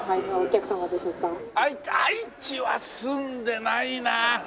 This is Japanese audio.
愛知愛知は住んでないなあ。